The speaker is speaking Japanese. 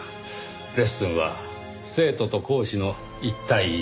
レッスンは生徒と講師の１対１。